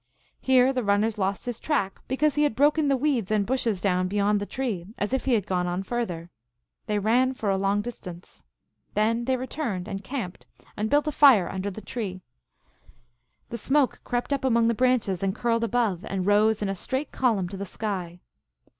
Here the runners lost his track, because he had broken the weeds and bushes down beyond the tree, as if he had gone further on. They ran for a long distance. Then they returned, and camped and built a fire under the tree. The smoke crept up among the branches and curled above, and rose in a straight column to the sky.